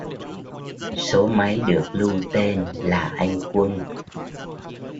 Số máy được lưu tên là anh quân